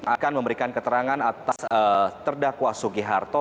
akan memberikan keterangan atas terdakwa sugiharto